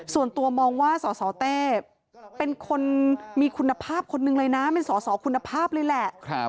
ส่วนตัวมองว่าสสเต้เป็นคนมีคุณภาพคนหนึ่งเลยนะเป็นสอสอคุณภาพเลยแหละ